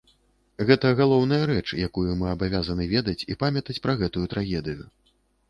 Гэта галоўная рэч, якую мы абавязаны ведаць і памятаць пра гэтую трагедыю.